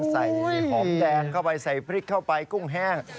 ใส่หอมแดงเข้าไปใส่พริกเข้าไปกุ้งแห้ง